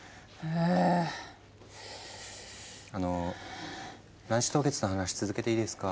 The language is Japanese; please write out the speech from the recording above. あの卵子凍結の話続けていいですか？